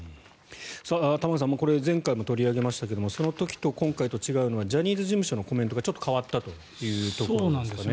玉川さん、これ前回も取り上げましたけれどその時と今回と違うのはジャニーズ事務所のコメントがちょっと変わったというところですね。